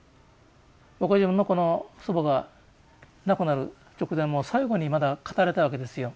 この祖母が亡くなる直前も最後にまだ語れたわけですよ。